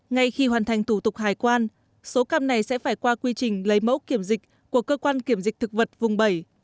ngay khi hoàn thành thủ tục hải quan số cam này sẽ phải qua quy trình lấy mẫu kiểm dịch của cơ quan kiểm dịch thực vật vùng bảy